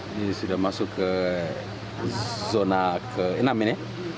ini sudah masuk ke zona ke enam ini